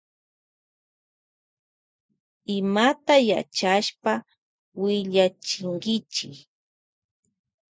Imata yachashpa willachinkichi.